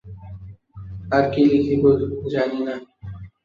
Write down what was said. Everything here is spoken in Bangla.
আর কী লিখিব, জানি না।